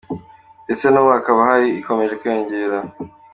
Ndetse nubu hakaba hari ikomeje kwiyongera.